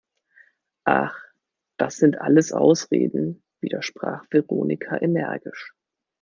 Ach, das sind alles Ausreden!, widersprach Veronika energisch.